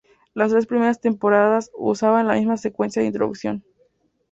Las tres primeras temporadas usaban la misma secuencia de introducción.